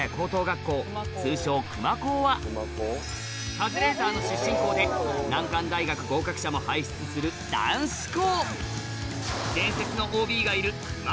カズレーザーの出身校で難関大学合格者も輩出する男子校